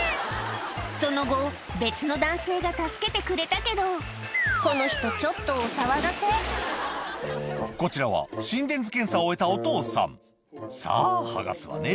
その後別の男性が助けてくれたけどこの人ちょっとお騒がせこちらは心電図検査を終えたお父さん「さぁ剥がすわね」